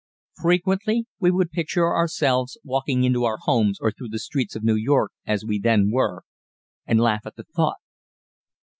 Frequently we would picture ourselves walking into our homes or through the streets of New York as we then were, and laugh at the thought.